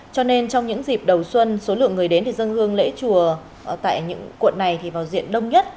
cho nên trong những dịp đầu xuân số lượng người đến để dân hương lễ chùa tại những quận này thì vào diện đông nhất